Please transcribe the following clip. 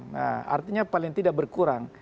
nah artinya paling tidak berkurang